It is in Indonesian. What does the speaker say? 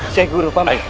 saya guru paman